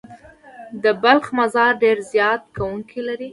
د بلخ مزار ډېر زیارت کوونکي لري.